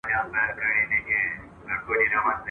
خو ما یوه شېبه خپل زړه تش کړ !.